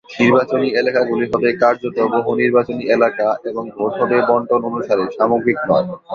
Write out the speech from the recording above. নির্বাচনী এলাকাগুলি হবে কার্যত বহু নির্বাচনী এলাকা এবং ভোট হবে বণ্টন অনুসারে, সামগ্রিক নয়।